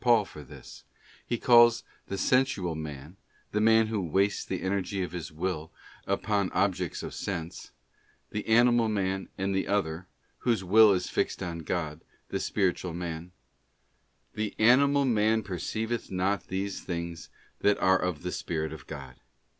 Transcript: Paul for this; he calls the sensual man—the man who wastes the energy of his will upon objects of sense—the animal man, and the other, whose will is fixed on God, the spiritual man: 'The animal man perceiveth not these things that are of the Spirit of God.